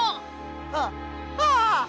あっああ！